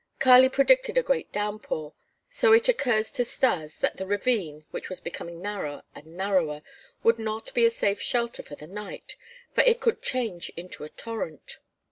Kali predicted a great downpour, so it occurred to Stas that the ravine, which was becoming narrower and narrower, would not be a safe shelter for the night, for it could change into a torrent.